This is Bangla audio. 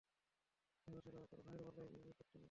এবার শালারা তোর ভাইয়ের পাল্লায় পড়তে যাচ্ছে।